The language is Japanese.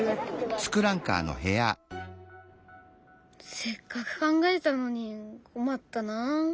せっかく考えたのに困ったなあ。